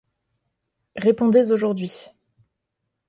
Répondez aujourd'hui.